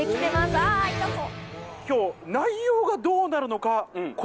あ、痛そう！